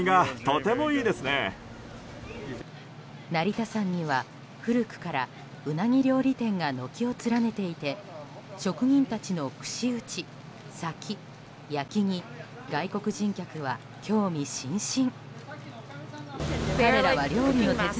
成田山には古くからウナギ料理店が軒を連ねていて職人たちの串打ち、割き、焼きに外国人客は興味津々。